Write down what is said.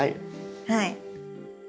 はい。